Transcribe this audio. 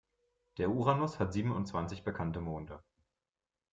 Der Uranus hat siebenundzwanzig bekannte Monde.